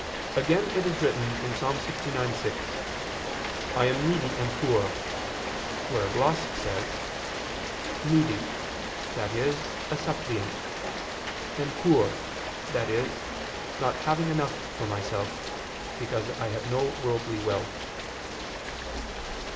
Again it is written (Ps. 69:6): "I am needy and poor"; where a gloss says: "'Needy,' that is a suppliant; 'and poor,' that is, not having enough for myself, because I have no worldly wealth."